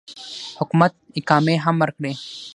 حکومت اقامې هم ورکړي.